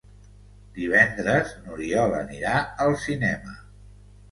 Divendres n'Oriol anirà al cinema.